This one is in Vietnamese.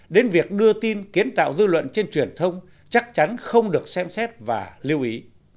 đến việc đưa tin kiến tạo dư luận trên truyền thông chắc chắn không được xem xét và lưu ý